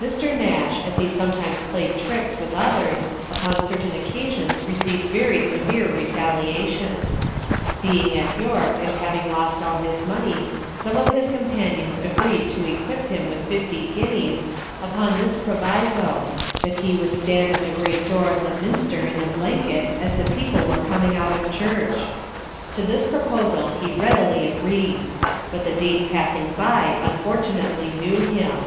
Mr. Nash, as he sometimes played tricks with others, upon certain occasions received very severe retaliations. Being at York, and having lost all his money, some of his companions agreed to equip him with fifty guineas, upon this proviso, that he would stand at the great door of the Minster in a blanket, as the people were coming out of church. To this proposal he readily agreed ; but the Dean passing by unfortunately knew him.